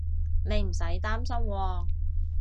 你唔使擔心喎